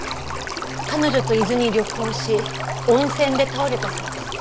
彼女と伊豆に旅行し温泉で倒れたそうです。